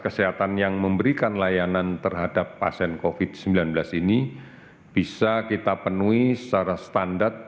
kesehatan yang memberikan layanan terhadap pasien covid sembilan belas ini bisa kita penuhi secara standar